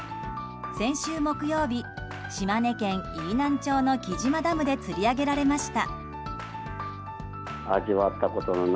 先週木曜日、島根県飯南町の来島ダムで釣り上げられました。